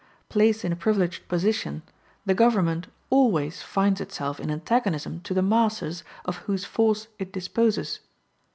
Placed in a privileged position, the government always finds itself in antagonism to the masses, of whose force it disposes.